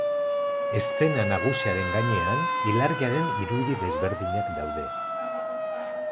Eszena nagusiaren gainean ilargiaren irudi desberdinak daude.